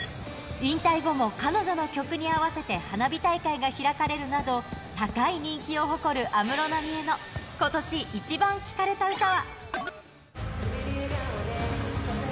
引退後も彼女の曲に合わせて花火大会が開かれるなど、高い人気を誇る安室奈美恵の、今年イチバン聴かれた歌は？